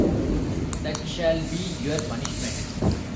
That shall be your punishment.